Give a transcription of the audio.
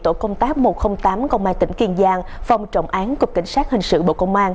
tổ công tác một trăm linh tám công an tỉnh kiên giang phòng trọng án cục cảnh sát hình sự bộ công an